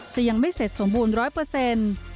จะยังไม่เสร็จสมบูรณ์๑๐๐